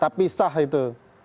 tapi sah itu